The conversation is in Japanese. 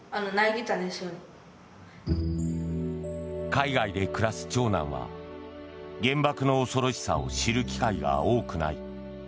海外で暮らす長男は原爆の恐ろしさを知る機会が多くない。